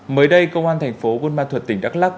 mới đây công an thành phố quân ban thuật tỉnh đắk lắc